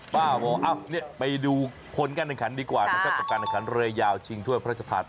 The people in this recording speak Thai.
ไปดูคนการไหนขันดีกว่านะครับการไหนขันเรือยาวชิงถ้วยพระราชธาตุ